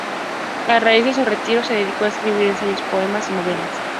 A raíz de su retiro se dedicó a escribir ensayos, poemas y novelas.